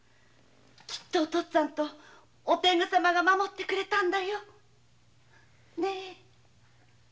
お父っつぁんとお天狗様が守ってくれたんだよ。